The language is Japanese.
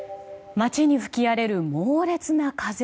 町に吹き荒れる猛烈な風。